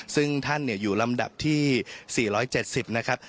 ซึ่งท่านอยู่ลำดับที่๔๗๐นะครับ